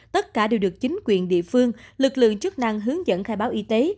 tất cả đều được chính quyền địa phương lực lượng chức năng hướng dẫn khai báo y tế